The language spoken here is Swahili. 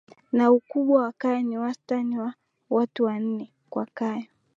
na ukubwa wa Kaya ni wastani wa watu wanne kwa Kaya